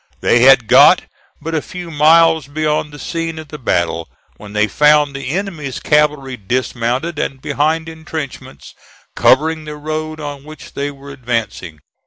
They had got but a few miles beyond the scene of the battle when they found the enemy's cavalry dismounted and behind intrenchments covering the road on which they were advancing.